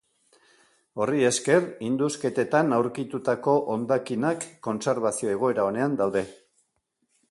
Horri esker, indusketetan aurkitutako hondakinak kontserbazio-egoera onean daude.